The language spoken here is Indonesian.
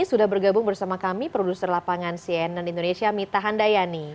sudah bergabung bersama kami produser lapangan cnn indonesia mita handayani